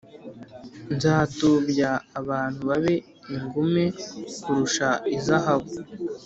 Nzatubya abantu babe ingume kurusha izahabu